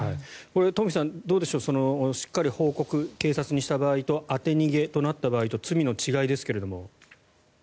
東輝さん、どうでしょうしっかり報告を警察にした場合と当て逃げとなった場合と罪の違いですが。